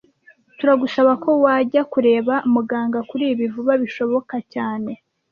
Turagusaba ko wajya kureba muganga kuri ibi vuba bishoboka cyane